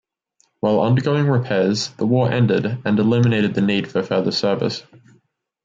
While undergoing repairs, the war ended and eliminated the need for further service.